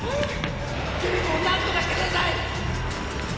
貴美子をなんとかしてください！！